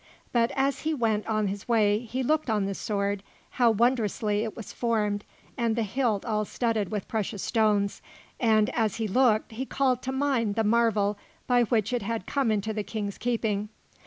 But as he went on his way, he looked on the sword, how wondrously it was formed and the hilt all studded with precious stones; and, as he looked, he called to mind the marvel by which it had come into the King's keeping.